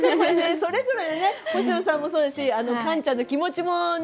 それぞれでね星野さんもそうですしカンちゃんの気持ちもね